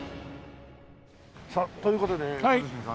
さあという事でね一茂さんね